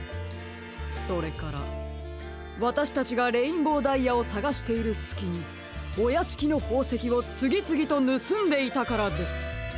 それからわたしたちがレインボーダイヤをさがしているすきにおやしきのほうせきをつぎつぎとぬすんでいたからです！